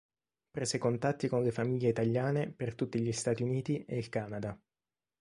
Prese contatti con le famiglie italiane per tutti gli Stati Uniti e il Canada.